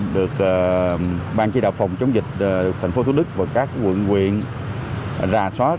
được ban chỉ đạo phòng chống dịch tp hcm và các quận huyện ra soát